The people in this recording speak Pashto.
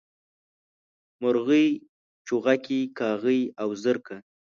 مرغۍ، چوغکي کاغۍ او زرکه